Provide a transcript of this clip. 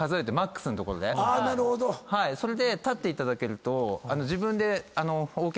それで立っていただけるとＯ脚